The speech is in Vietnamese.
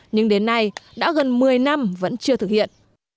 nhưng đến nay đã gần một mươi năm vẫn chưa thực hiện